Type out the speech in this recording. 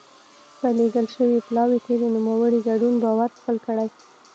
په لېږل شوي پلاوي کې د نوموړي ګډون باور خپل کړي.